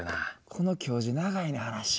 この教授長いねん話。